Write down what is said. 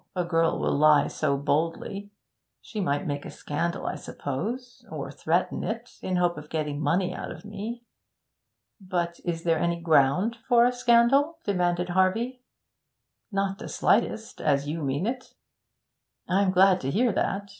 a girl will lie so boldly. She might make a scandal, I suppose; or threaten it, in hope of getting money out of me.' 'But is there any ground for a scandal?' demanded Harvey. 'Not the slightest, as you mean it.' 'I'm glad to hear that.